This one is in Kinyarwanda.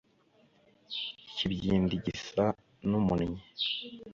ikibyindi gisa n'umunnyi